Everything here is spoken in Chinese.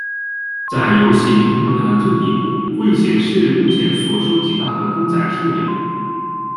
在游戏萤幕的最底部会显示目前所收集到的公仔数量。